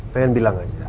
pengen bilang aja